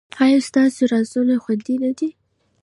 ایا ستاسو رازونه خوندي نه دي؟